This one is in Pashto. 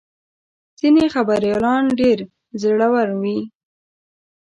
ځینې خبریالان ډېر زړور وي.